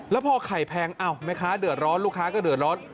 แล้วพอไข่แพงอ้าวแม่ค้าเดือดร้อนลูกค้าก็เดือดร้อน